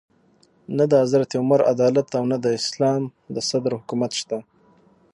نه د حضرت عمر عدالت او نه د اسلام د صدر حکومت شته.